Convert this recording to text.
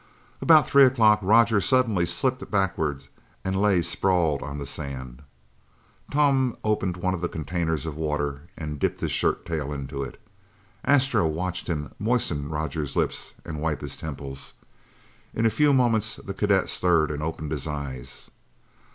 About three o'clock Roger suddenly slipped backward and lay sprawled on the sand. Tom opened one of the containers of water and dipped his shirttail into it. Astro watched him moisten Roger's lips and wipe his temples. In a few moments the cadet stirred and opened his eyes.